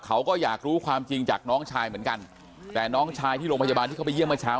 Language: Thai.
เขาก็อยากรู้ความจริงจากน้องชายเหมือนกันแต่น้องชายที่โรงพยาบาลที่เขาไปเยี่ยมเมื่อเช้า